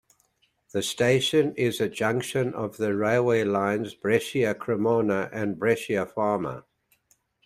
The station is a junction of the railway lines Brescia-Cremona and Brescia-Parma.